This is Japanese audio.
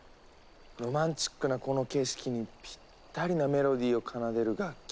ロマンチックなこの景色にぴったりなメロディーを奏でる楽器といえば。